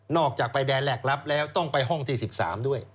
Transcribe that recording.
จากไปแดนแรกรับแล้วต้องไปห้องที่๑๓ด้วย